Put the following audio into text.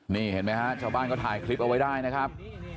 นี่เห็นไหมฮะชาวบ้านก็ถ่ายคลิปเอาไว้ได้นะครับ